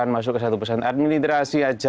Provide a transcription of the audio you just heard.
masuk ke satu pesan administrasi aja